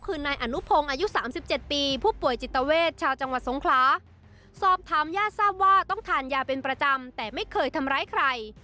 คือนายอนุพงษ์อายุ๓๗ปี